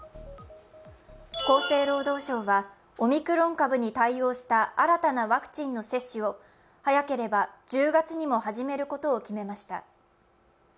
厚生労働省はオミクロン株に対応した新たなワクチンの接種を早ければ１０月にも始めることを決めました。